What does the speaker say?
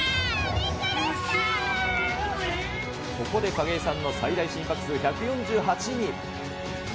ここで景井さんの最大心拍数１４８に。